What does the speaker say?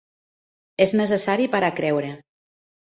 És necessari per a creure.